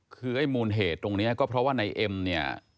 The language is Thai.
คือไอ้มูลเหตุตรงนี้ก็เพราะว่าในเอ็มเนี่ย